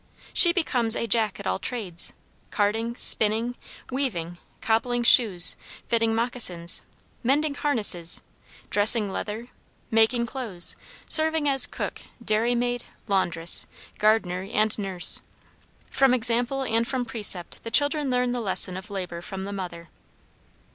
She becomes a "jack at all trades," carding, spinning, weaving, cobbling shoes, fitting moccasins, mending harness, dressing leather, making clothes, serving as cook, dairy maid, laundress, gardener, and nurse. From example and from precept the children learn the lesson of labor from the mother.